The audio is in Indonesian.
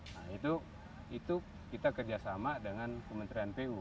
nah itu kita kerjasama dengan kementerian pu